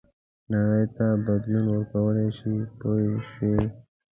نړۍ ته بدلون ورکولای شي پوه شوې!.